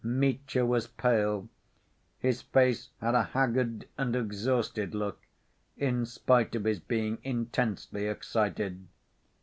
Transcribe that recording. Mitya was pale. His face had a haggard and exhausted look, in spite of his being intensely excited.